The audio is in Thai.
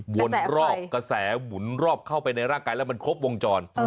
วนรอบกระแสหมุนรอบเข้าไปในร่างกายแล้วมันครบวงจร